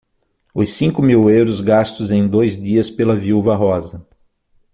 Os cinco mil euros gastos em dois dias pela viúva Rosa.